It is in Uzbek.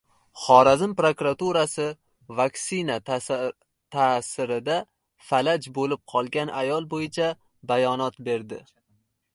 Xorazm prokuraturasi vaksina ta’sirida falaj bo‘lib qolgan ayol bo‘yicha bayonot berdi